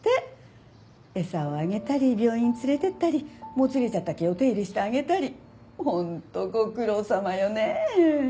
餌をあげたり病院連れていったりもつれちゃった毛を手入れしてあげたり本当ご苦労さまよねえ。